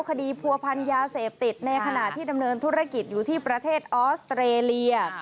ผัวพันยาเสพติดในขณะที่ดำเนินธุรกิจอยู่ที่ประเทศออสเตรเลีย